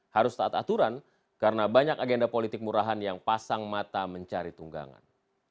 harus taat aturan karena banyak agenda politik murahan yang pasang mata mencari tunggangan